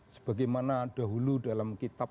sebagaimana dahulu dalam kitab